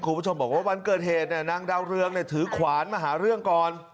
คุณผู้ชมบอกว่าวันเกิดเหตุนางดาวเรืองถือขวานมาหาเรื่องก่อน